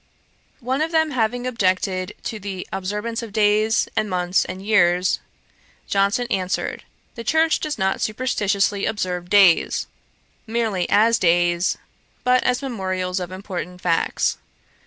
One of them having objected to the 'observance of days, and months, and years,' Johnson answered, 'The Church does not superstitiously observe days, merely as days, but as memorials of important facts.